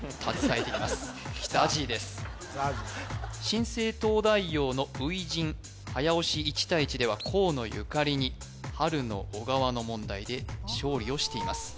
新生東大王の初陣早押し１対１では河野ゆかりに「春の小川」の問題で勝利をしています